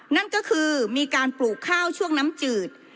นั่นก็คือมีการปลูกข้าวช่วงน้ำจืด